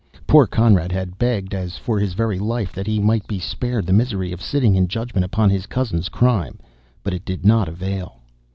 Poor Conrad had begged, as for his very life, that he might be spared the misery of sitting in judgment upon his cousin's crime, but it did not avail.